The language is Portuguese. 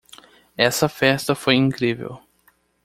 Essa festa foi incrível.